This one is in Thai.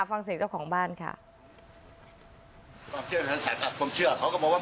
ฟังเสียเจ้าของบ้านค่ะผมเชื่อเขาก็บอกว่า